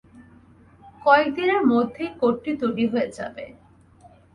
কয়েকদিনের মধ্যেই কোটটি তৈরী হয়ে যাবে।